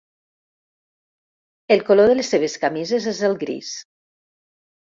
El color de les seves camises és el gris.